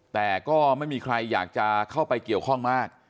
แต่ก็ไม่มีใครอยากจะเข้าไปเกี่ยวข้องมาก